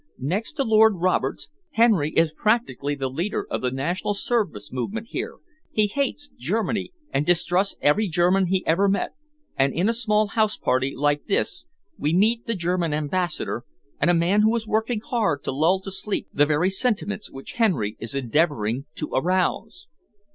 "Next to Lord Roberts, Henry is practically the leader of the National Service movement here; he hates Germany and distrusts every German he ever met, and in a small house party like this we meet the German Ambassador and a man who is working hard to lull to sleep the very sentiments which Henry is endeavouring to arouse."